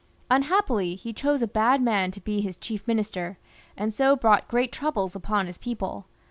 Unhappily, he chose a bad man to be his chief minister, and so brought great troubles upon his people.